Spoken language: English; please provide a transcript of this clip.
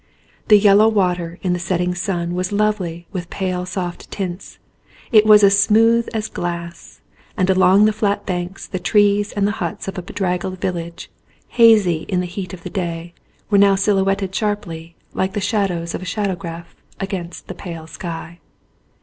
The yellow water in the setting sun was lovely with pale soft tints, it was as smooth as glass ; and along the flat banks the trees and the huts of a bedraggled village, hazy in the heat of the day, were now silhouetted sharply, like the shadows of a shadowgraph, against the pale sky.